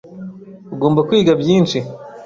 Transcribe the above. Ugomba kwiga byinshi.